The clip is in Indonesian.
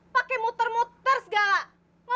pakai muter muter segala